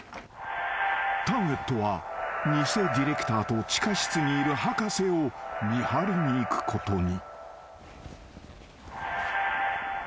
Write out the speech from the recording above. ［ターゲットは偽ディレクターと地下室にいる博士を見張りに行くことに］